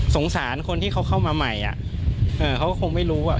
สงสารคนที่เขาเข้ามาใหม่อ่ะเอ่อเขาคงไม่รู้อ่ะ